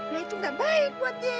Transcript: ya itu nggak baik buat dia